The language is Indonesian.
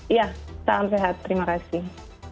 iya salam sehat terima kasih